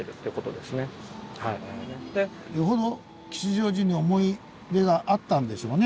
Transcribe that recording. よほど吉祥寺に思い入れがあったんでしょうね。